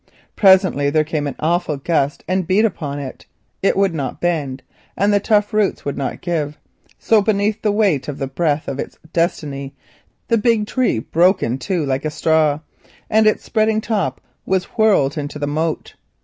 Presently there came an awful gust and beat upon it. It would not bend, and the tough roots would not give, so beneath the weight of the gale the big tree broke in two like a straw, and its spreading top was whirled into the moat.